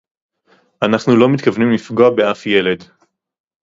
אנחנו לא מתכוונים לפגוע באף ילד